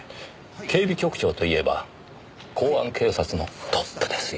警備局長といえば公安警察のトップですよ。